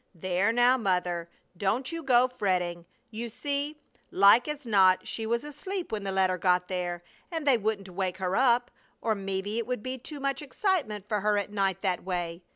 "There now, Mother! Don't you go fretting! You see, like as not she was asleep when the letter got there, and they wouldn't wake her up, or mebbe it would be too much excitement for her at night that way!